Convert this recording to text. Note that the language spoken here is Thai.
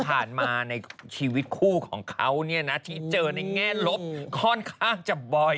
ผ่านมาในชีวิตคู่ของเขาที่เจอในแง่ลบค่อนข้างจะบ่อย